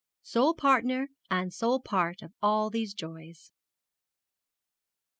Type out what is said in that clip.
'SOLE PARTNER AND SOLE PART OF ALL THESE JOYS.'